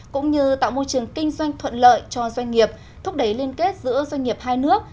cũng như tạo môi trường kinh doanh thuận lợi cho doanh nghiệp thúc đẩy liên kết giữa doanh nghiệp hai nước